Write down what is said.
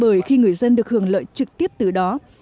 bởi khi người dân được hưởng lợi trực tiếp từ đó